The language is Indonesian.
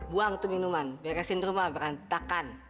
buang tuh minuman beresin rumah berantakan